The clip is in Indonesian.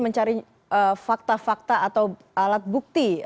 mencari fakta fakta atau alat bukti